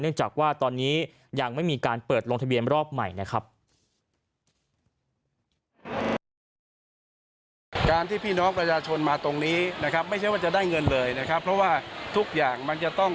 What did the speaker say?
จากว่าตอนนี้ยังไม่มีการเปิดลงทะเบียนรอบใหม่นะครับ